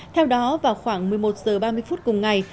theo đó vào khoảng một mươi một h ba mươi phút cùng ngày